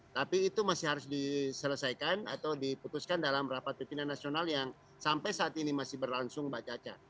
tapi itu masih harus diselesaikan atau diputuskan dalam rapat pimpinan nasional yang sampai saat ini masih berlangsung mbak caca